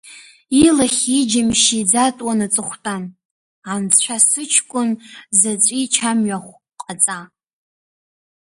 Илахьи иџьымшьи иӡатәуан аҵыхәтәан, анцәа, сыҷкәын заҵәичамҩахә ҟаҵа…